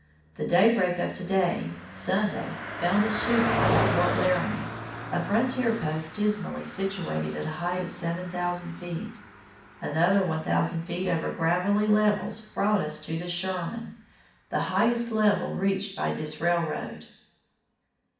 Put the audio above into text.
The daybreak of to day (Sunday) found us shivering at Fort Laramie, a frontier post dismally situated at a height of 7,000 feet. Another 1,000 feet over gravelly levels brought us to Sherman, the highest level reached by this railroad.